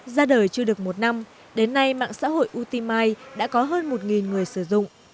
ra đời chưa được một năm đến nay mạng xã hội utimay đã có hơn một người sử dụng